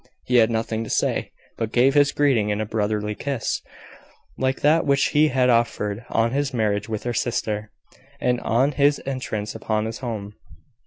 He had nothing to say; but gave his greeting in a brotherly kiss, like that which he had offered on his marriage with her sister, and on his entrance upon his home.